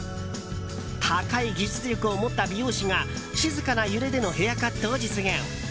高い技術力を持った美容師が静かな揺れでのヘアカットを実現。